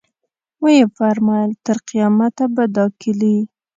ویې فرمایل تر قیامته به دا کیلي.